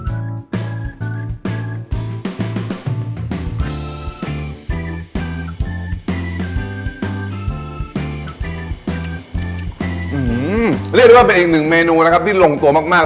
เรียกได้ว่าเป็นอีกหนึ่งเมนูนะครับที่ลงตัวมาก